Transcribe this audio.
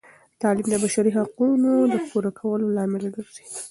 تعلیم د بشري حقونو د پوره کولو لامل ګرځي.